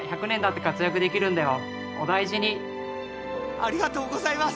ありがとうございます！